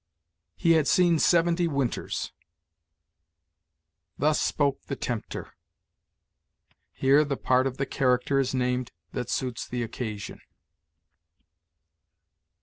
"He had seen seventy winters." "Thus spoke the tempter": here the part of the character is named that suits the occasion.